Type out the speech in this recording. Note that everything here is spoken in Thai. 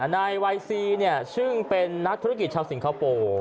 นายวัยซีซึ่งเป็นนักธุรกิจชาวสิงคโปร์